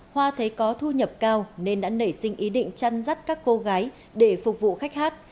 hoa thấy có thu nhập cao nên đã nảy sinh ý định chăn rắt các cô gái để phục vụ khách hát